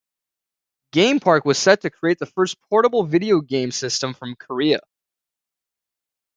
Game Park was set to create the first portable video game system from Korea.